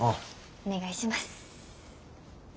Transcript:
お願いします。